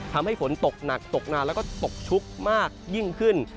ทำให้ฝนตกหนักตกนานแล้วก็ตกชุกมากยิ่งขึ้น